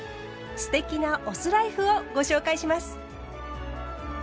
“酢テキ”なお酢ライフをご紹介します。